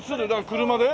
車で？